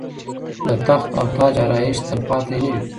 د تخت او تاج آرایش تلپاتې نه وي.